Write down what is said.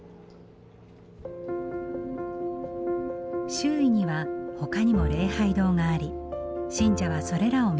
周囲にはほかにも礼拝堂があり信者はそれらを巡っていきます。